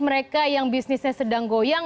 mereka yang bisnisnya sedang goyang